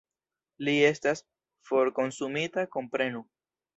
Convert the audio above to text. Li estas forkonsumita, komprenu!